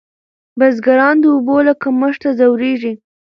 بزګران د اوبو له کمښت ځوریږي.